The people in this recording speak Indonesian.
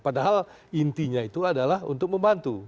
padahal intinya itu adalah untuk membantu